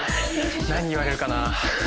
何言われるかな？